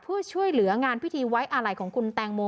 เพื่อช่วยเหลืองานพิธีไว้อาลัยของคุณแตงโม